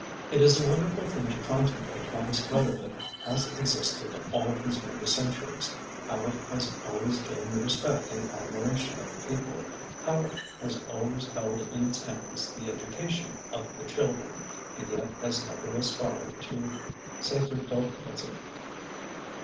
It is a wonderful thing to contemplate how this brotherhood has existed all these many centuries, how it has always gained the respect and admiration of the people, how it has always held in its hands the education of the children, and yet has never aspired to sacerdotalism.